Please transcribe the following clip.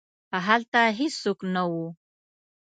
هلته هیڅوک نه وو.